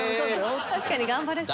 確かに頑張れそう。